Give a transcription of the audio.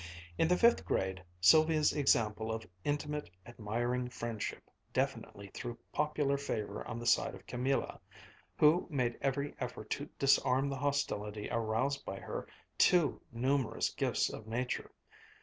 In the fifth grade, Sylvia's example of intimate, admiring friendship definitely threw popular favor on the side of Camilla, who made every effort to disarm the hostility aroused by her too numerous gifts of nature.